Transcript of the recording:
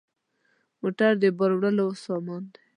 موټر د بار وړلو سامان دی.